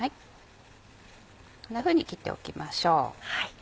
こんなふうに切っておきましょう。